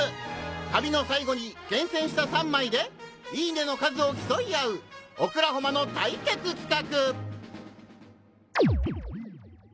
旅の最後に厳選した３枚で「いいね！」の数を競い合う『オクラホマ』の対決企画！